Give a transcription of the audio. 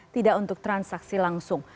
tidak untuk transaksi langsung